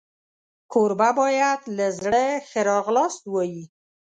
کوربه باید له زړه ښه راغلاست ووایي.